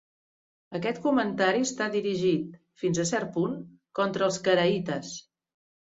Aquest comentari està dirigit, fins a cert punt, contra els caraïtes.